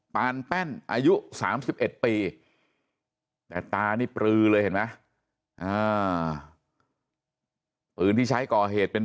ปานแป้นอายุ๓๑ปีแต่ตานี่ปลือเลยเห็นไหมปืนที่ใช้ก่อเหตุเป็น